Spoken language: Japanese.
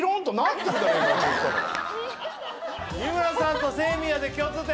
日村さんと清宮で共通点。